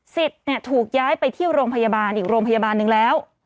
ถูกย้ายไปที่โรงพยาบาลอีกโรงพยาบาลหนึ่งแล้ว